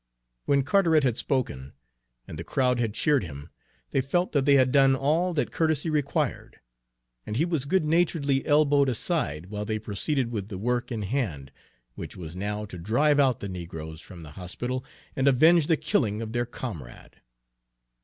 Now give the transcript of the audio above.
When Carteret had spoken, and the crowd had cheered him, they felt that they had done all that courtesy required, and he was good naturedly elbowed aside while they proceeded with the work in hand, which was now to drive out the negroes from the hospital and avenge the killing of their comrade.